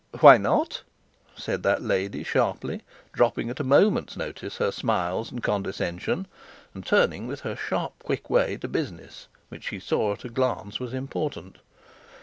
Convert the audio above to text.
'Why not?' said the lady sharply, dropping at a moment's notice her smiles and condescension, and turning with her sharp quick way to business which she saw at a glance was important.